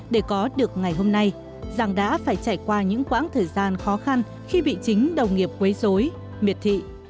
để có được ngày hôm nay giàng đã phải trải qua những quãng thời gian khó khăn khi bị chính đồng nghiệp quấy dối miệt thị